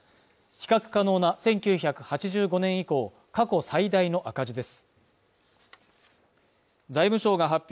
比較可能な１９８５年以降、過去最大の赤字です。